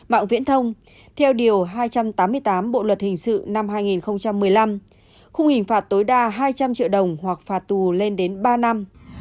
mạng viễn thông theo điều hai trăm tám mươi tám bộ luật hình sự năm hai nghìn một mươi năm khung hình phạt tối đa hai trăm linh triệu đồng hoặc phạt tù lên đến ba năm